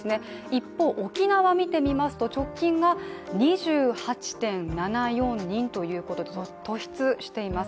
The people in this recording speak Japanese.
一方、沖縄を見てみますと直近が２８．７４人ということで突出しています。